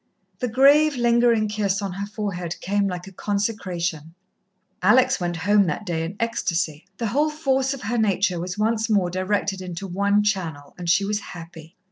The grave, lingering kiss on her forehead came like a consecration. Alex went home that day in ecstasy. The whole force of her nature was once more directed into one channel, and she was happy.